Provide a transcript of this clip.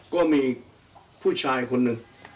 ก็มีผู้ชายคนหนึ่ง